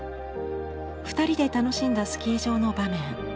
２人で楽しんだスキー場の場面。